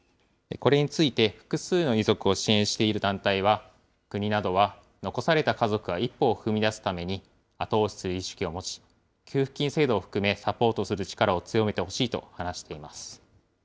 これについて複数の遺族を支援している団体は、国などは残された家族が一歩を踏み出すために後押しする意識を持ち、給付金制度を含めサポートする力を強めてほしいと話しています。